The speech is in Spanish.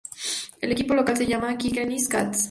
El equipo local se llama "Kilkenny Cats".